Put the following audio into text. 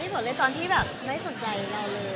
ใช่ค่ะตอนที่พอเล่นตอนที่แบบไม่สนใจกันเลย